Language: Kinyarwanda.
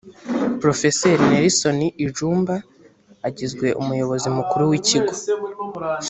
prof nelson ijumba agizwe umuyobozi mukuru wi kigo.